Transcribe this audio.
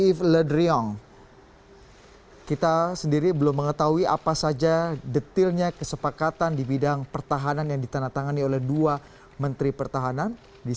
presiden jokowi dan presiden perancis